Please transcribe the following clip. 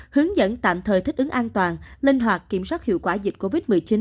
hướng dẫn tạm thời thích ứng an toàn linh hoạt kiểm soát hiệu quả dịch covid một mươi chín